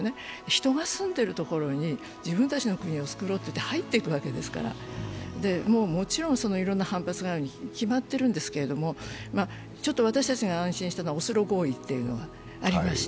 人が住んでるところに自分たちの国を作ろうっていって入っていくわけですから、もちろん、いろんな反発があるに決まっているんですけども、私たちが安心したのはオスロ合意っていうのがありました。